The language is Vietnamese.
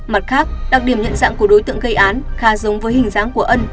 mặt khác đặc điểm nhận dạng của đối tượng gây án khá giống với hình dáng của ân